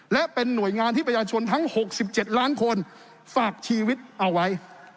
และเป็นหน่วยงานที่ประชาชนทั้ง๖๗ล้านคนฝากชีวิตเอาไว้